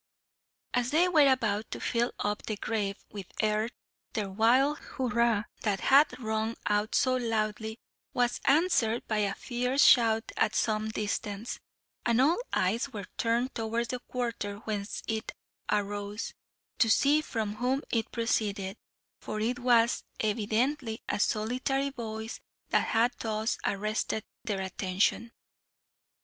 As they were about to fill up the grave with earth their wild hurra, that had rung out so loudly, was answered by a fierce shout at some distance, and all eyes were turned towards the quarter whence it arose, to see from whom it proceeded, for it was, evidently, a solitary voice that had thus arrested their attention.